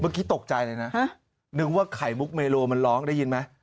เมื่อกี้ตกใจเลยนะนึกว่าไข่มุกเมโลมันร้องได้ยินไหม